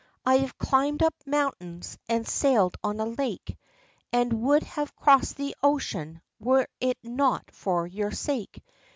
I have climbed up mountains, and sailed on a lake; And would have crossed the ocean, were it not for your sake.